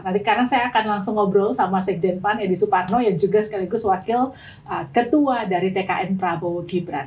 nanti karena saya akan langsung ngobrol sama sekjen pan edi suparno yang juga sekaligus wakil ketua dari tkn prabowo gibran